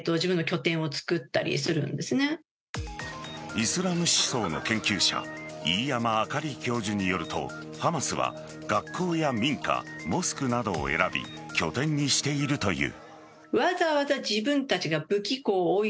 イスラム思想の研究者飯山陽教授によるとハマスは学校や民家モスクなどを選び拠点にしているという。